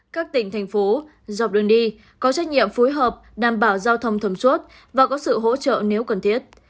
các tỉnh thành phố dọc đường đi có trách nhiệm phối hợp đảm bảo giao thông thông suốt và có sự hỗ trợ nếu cần thiết